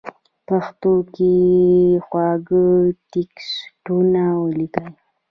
پښتو کې خواږه ټېکسټونه وليکئ!!